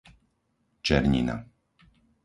Černina